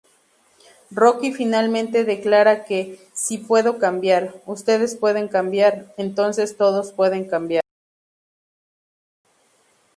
Rocky finalmente declara que, "Si puedo cambiar, ustedes pueden cambiar, entonces todos pueden cambiar!